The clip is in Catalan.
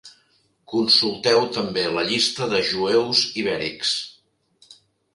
Consulteu també la llista de jueus ibèrics.